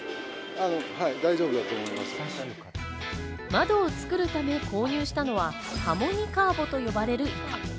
窓を作るため購入したのはハーモニカーボと呼ばれる板。